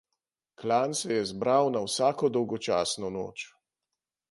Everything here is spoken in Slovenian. Klan se je zbral na vsako dolgočasno noč.